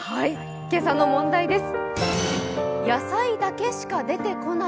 今朝の問題です。